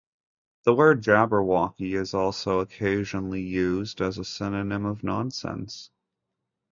The word "jabberwocky" is also occasionally used as a synonym of nonsense.